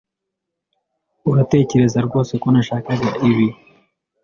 Uratekereza rwose ko nashakaga ibi?